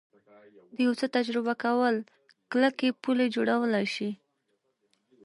د یو څه تجربه کول کلکې پولې جوړولی شي